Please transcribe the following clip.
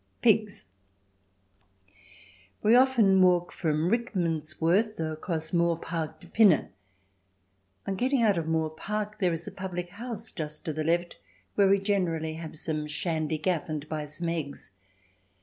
Pigs We often walk from Rickmansworth across Moor Park to Pinner. On getting out of Moor Park there is a public house just to the left where we generally have some shandy gaff and buy some eggs.